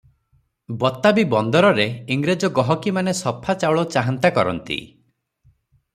ବତାବୀ ବନ୍ଦରରେ ଇଂରେଜ ଗହକିମାନେ ସଫା ଚାଉଳ ଚାହାନ୍ତା କରନ୍ତି ।